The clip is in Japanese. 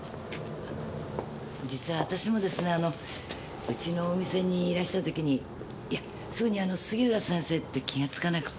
実はあたしもですねうちのお店にいらした時にいやすぐにあの杉浦先生って気がつかなくて。